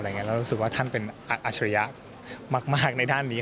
แล้วรู้สึกว่าท่านเป็นอัจฉริยะมากในด้านนี้